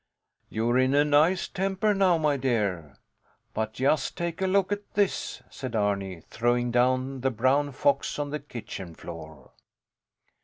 You're in a nice temper now, my dear. But just take a look at this, said Arni, throwing down the brown fox on the kitchen floor.